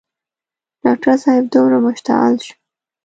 ډاکټر صاحب دومره مشتعل شو.